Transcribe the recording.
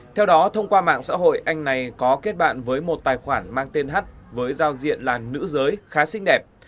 theo đó thông qua mạng xã hội anh này có kết bạn với một tài khoản mang tên h với giao diện là nữ giới khá xinh đẹp